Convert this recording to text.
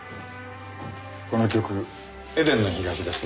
この曲『エデンの東』ですよね？